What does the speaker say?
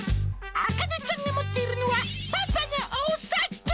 あかねちゃんが持っているのは、パパのお酒。